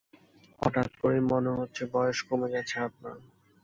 হঠাৎ করেই মনে হচ্ছে বয়স কমে গেছে আপনার।